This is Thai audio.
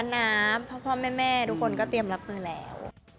น้ำพ่อแม่ทุกคนก็เตรียมรับมือแล้ว